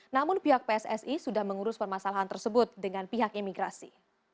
namun pihak pssi sudah mengurus permasalahan tersebut dengan pihak imigrasi